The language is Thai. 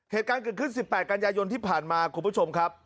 เหตุการณ์เกิดขึ้น๑๘กันยายนที่ผ่านมาคุณผู้ชมครับ